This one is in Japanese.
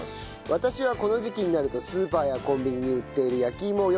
私はこの時期になるとスーパーやコンビニに売っている焼き芋をよく買います。